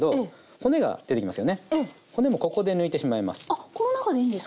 骨もここで抜いてしまいます。